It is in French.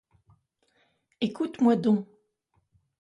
Écoute-moi donc.